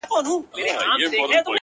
اوس د چا پر پلونو پل نږدم بېرېږم،